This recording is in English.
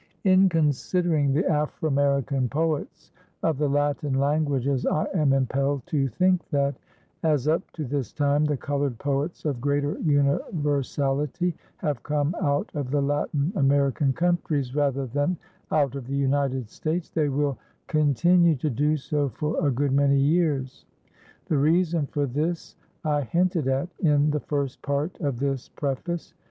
] In considering the Aframerican poets of the Latin languages I am impelled to think that, as up to this time the colored poets of greater universality have come out of the Latin American countries rather than out of the United States, they will continue to do so for a good many years. The reason for this I hinted at in the first part of this preface.